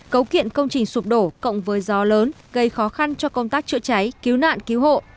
cấu kiện công trình sụp đổ cộng với gió lớn gây khó khăn cho công tác chữa cháy cứu nạn cứu hộ